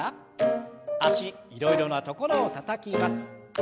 脚いろいろなところをたたきます。